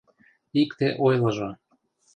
— Икте ойлыжо.